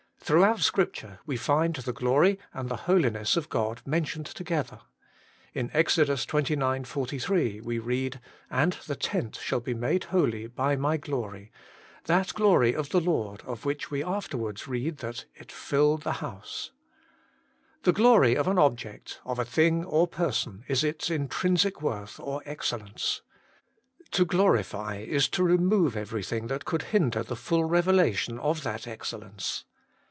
Throughout Scripture we find the glory and the holiness of God mentioned together. In Ex. xxix. 43 we read, 'And the tent shall be made holy by my glory' that glory of the Lord of which we afterwards read that it filled 56 HOLY IN CHRIST. the house. The glory of an object, of a thing or person, is its intrinsic worth or excellence : to glorify is to remove everything that could hinder the full revelation of that excellence.